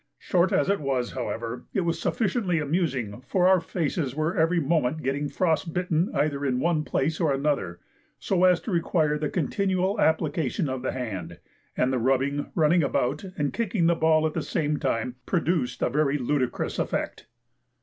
Short as it was, however, it was sufficiently amusing, for our faces were every moment getting frost bitten either in one place or another, so as to require the continual application of the hand; and the rubbing, running about, and kicking the ball all at the same time, produced a very ludicrous effect.